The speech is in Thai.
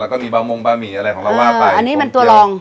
แล้วก็มีเบาวูงบ่ามีอะไรละอันนี้มันตัวลอง